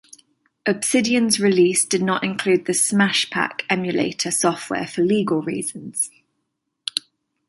Obsidian's release did not include the Smash Pack emulator software for legal reasons.